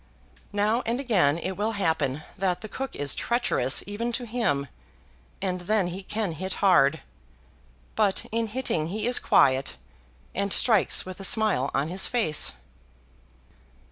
Now and again it will happen that the cook is treacherous even to him, and then he can hit hard; but in hitting he is quiet, and strikes with a smile on his face.